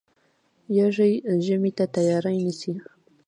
يږ ژمي ته تیاری نیسي.